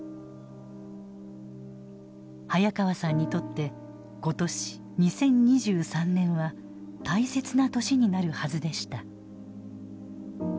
早川さんにとって今年２０２３年は大切な年になるはずでした。